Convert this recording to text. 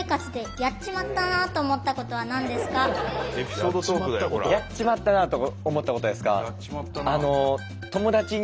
やっちまったなと思ったことですか。